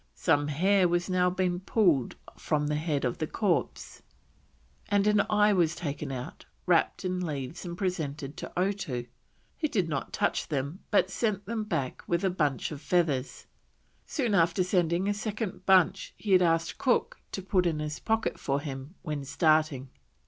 Some hair was now pulled from the head of the corpse, and an eye taken out, wrapped in leaves and presented to Otoo, who did not touch them, but sent them back with a bunch of feathers, soon after sending a second bunch he had asked Cook to put in his pocket for him when starting.